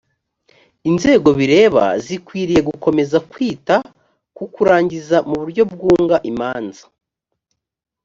inzego bireba zikwiriye gukomeza kwita ku kurangiza mu buryo bwunga imanza